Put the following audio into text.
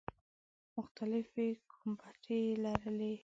مختلفې کومیټې یې لرلې.